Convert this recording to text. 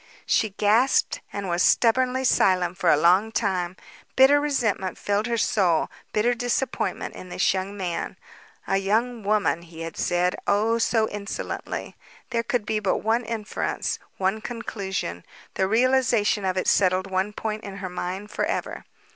She gasped and was stubbornly silent for a long time. Bitter resentment filled her soul, bitter disappointment in this young man. "A young woman!" he had said, oh, so insolently. There could be but one inference, one conclusion. The realization of it settled one point in her mind forever.